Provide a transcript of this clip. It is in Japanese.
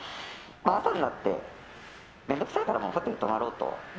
朝になって面倒くさいからホテル泊まろうと。